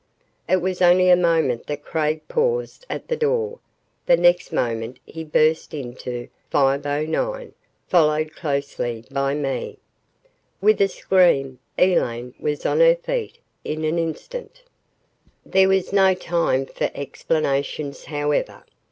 It was only a moment that Craig paused at the door. The next moment he burst into 509, followed closely by me. With a scream, Elaine was on her feet in an instant. There was no time for explanations, however.